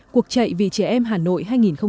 cuộc chạy vì trẻ em hà nội hai nghìn một mươi chín